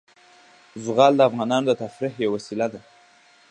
زغال د افغانانو د تفریح یوه وسیله ده.